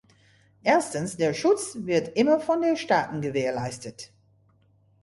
Erstens, der Schutz wird immer von den Staaten gewährleistet.